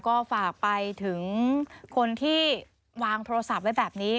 ก็ฝากไปถึงคนที่วางโทรศัพท์ไว้แบบนี้